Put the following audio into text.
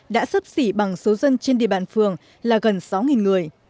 đã sấp xỉ bằng số dân trên địa bàn phường là gần sáu người